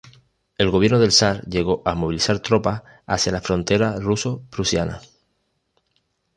El gobierno del zar llegó a movilizar tropas hacia la frontera ruso-prusiana.